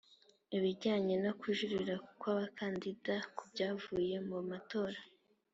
ibijyanye no kujurira kw abakandida ku byavuye mu matora